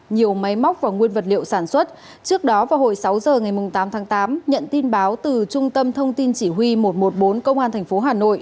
nhiều máy móc và nguyên vật liệu sản xuất trước đó vào hồi sáu giờ ngày tám tháng tám nhận tin báo từ trung tâm thông tin chỉ huy một trăm một mươi bốn công an tp hà nội